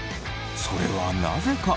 それはなぜか？